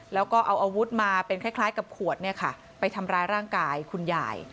แล้วก็เอาอาวุธมาเป็นคล้ายกับขวดไปทำร้ายร่างกายคุณยาย